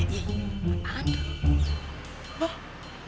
iya ini apaan tuh